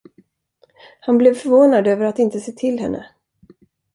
Han blev förvånad över att inte se till henne.